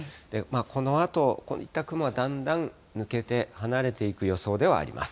このあと、こういった雲はだんだん抜けて、離れていく予想ではあります。